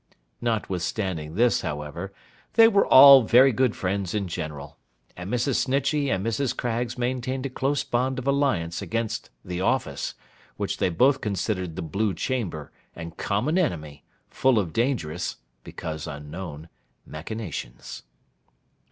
Notwithstanding this, however, they were all very good friends in general: and Mrs. Snitchey and Mrs. Craggs maintained a close bond of alliance against 'the office,' which they both considered the Blue chamber, and common enemy, full of dangerous (because unknown) machinations.